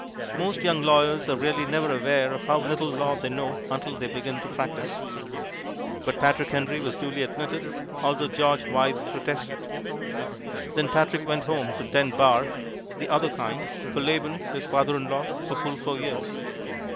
Most young lawyers are really never aware of how little law they know until they begin to practise. But Patrick Henry was duly admitted, although George Wythe protested. Then Patrick went back home to tend bar (the other kind) for Laban, his father in law, for full four years.